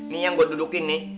nih yang gue dudukin nih